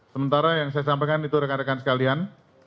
sementara yang saya sampaikan itu rekan rekan sekalian